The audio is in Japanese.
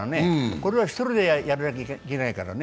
これは１人でやらなきゃいけないからね。